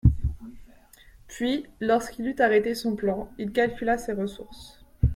Puis, lorsqu'il eut arrêté son plan, il calcula ses ressources.